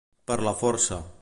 Per la força.